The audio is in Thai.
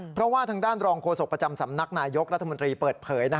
เพราะว่าทางด้านรองโฆษกประจำสำนักนายยกรัฐมนตรีเปิดเผย